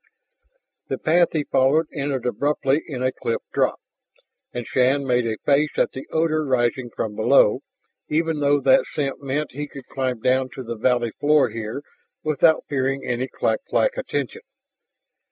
The path he followed ended abruptly in a cliff drop, and Shann made a face at the odor rising from below, even though that scent meant he could climb down to the valley floor here without fearing any clak clak attention.